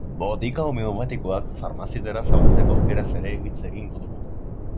Botika homeopatikoak farmazietara zabaltzeko aukeraz ere hitz egingo dugu.